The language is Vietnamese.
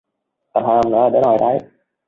Tầm hai hôm nữa là đến hội đấy